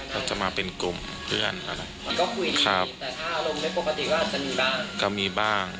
ก็จะมาเป็นกลุ่มเพื่อนนะครับมันก็คุยครับแต่ถ้าอารมณ์ไม่ปกติก็อาจจะมีบ้างก็มีบ้าง